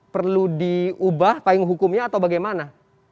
perlu diubah payung hukumnya atau bagaimana